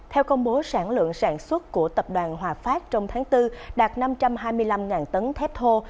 theo công bố sản lượng sản xuất của tập đoàn hòa phát trong tháng bốn đạt năm trăm hai mươi năm tấn thép thô